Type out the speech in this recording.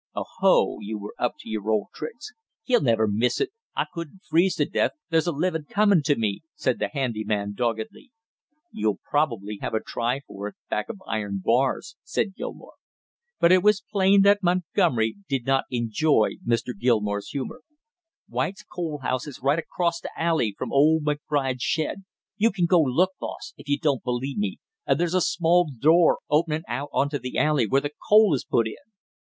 "Oh, ho, you were up to your old tricks!" "He'll never miss it; I couldn't freeze to death; there's a livin' comin' to me," said the handy man doggedly. "You'll probably have a try for it back of iron bars!" said Gilmore. But it was plain that Montgomery did not enjoy Mr. Gilmore's humor. "White's coal house is right acrost the alley from old McBride's shed. You can go look, boss, if you don't believe me, and there's a small door opening out on to the alley, where the coal is put in."